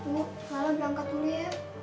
bu lala berangkat dulu ya